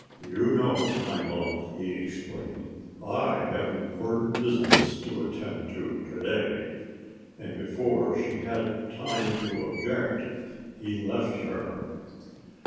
"You know, my love," he explained, "I have important business to attend to to day." And before she had time to object he left her.